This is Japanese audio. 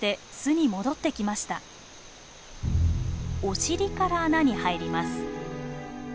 お尻から穴に入ります。